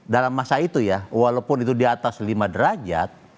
dalam masa itu ya walaupun itu di atas lima derajat